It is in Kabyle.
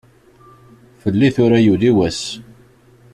Fell-i tura yuli wass.